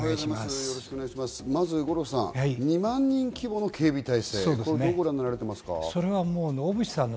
まず五郎さん、２万人規模の警備態勢、どうご覧になりますか？